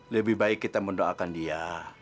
lebih baik kita mendoakan dia